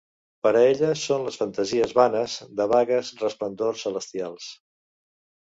Per a elles són les fantasies vanes de vagues resplendors celestials.